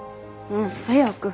うん早く。